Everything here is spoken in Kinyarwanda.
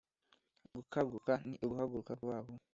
gukaguka: ni uguhaguruka vuba na vuba